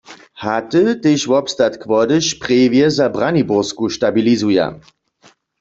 Haty tež wobstatk wody Sprjewje za Braniborsku stabilizuja.